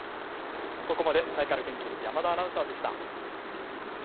ここまでサイカル研究室、山田アナウンサーでした。